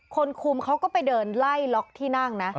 คุมเขาก็ไปเดินไล่ล็อกที่นั่งนะ